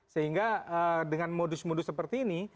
sehingga dengan modus modus seperti ini